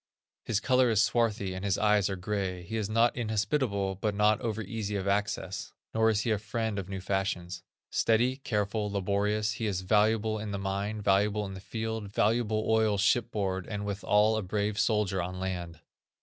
His color is swarthy, and his eyes are gray. He is not inhospitable, but not over easy of access; nor is he a friend of new fashions. Steady, careful, laborious, he is valuable in the mine, valuable in the field, valuable oil shipboard, and, withal, a brave soldier on land.